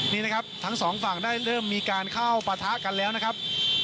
นี่นะครับทั้งสองฝั่งได้เริ่มมีการเข้าปะทะกันแล้วนะครับ